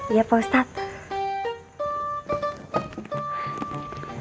iya pak ustadz